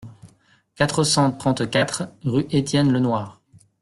quatre cent trente-quatre rue Etienne Lenoir